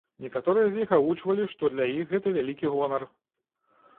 Некаторыя з іх агучвалі, што для іх гэта вялікі гонар.